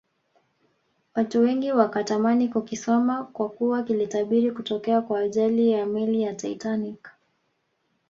watu wengi wakatamani kukisoma kwakuwa kilitabiri kutokea kwa ajali ya meli ya Titanic